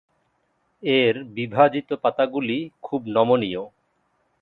এর বিভাজিত পাতাগুলি খুব নমনীয়।